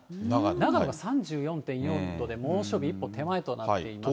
長野が３４．４度で、猛暑日一歩手前となっています。